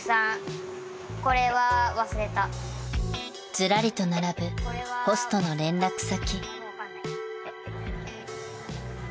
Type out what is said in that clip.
［ずらりと並ぶホストの連絡先］